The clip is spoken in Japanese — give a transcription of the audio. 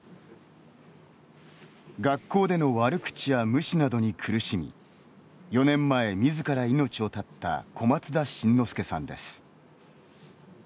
学校での悪口や無視などに苦しみ４年前、みずから命を絶った小松田辰乃輔さんです。